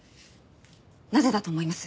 なぜだと思います？